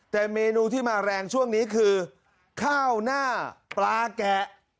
แต่เมนูที่มาแรงช่วงนี้คือข้าวหน้าปลาแกะ